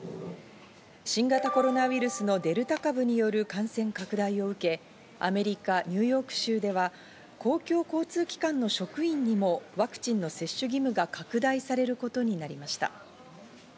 新型コロナウイルスのデルタ株による感染拡大を受け、アメリカ・ニューヨーク州では公共交通機関の職員にもワクチンの接種義務が拡大されることになりました。